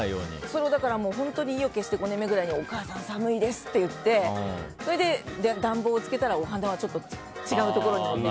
それを本当に意を決して５年目くらいにおかあさん、寒いですって言ってそれで暖房をつけたらお花はちょっと違うところに。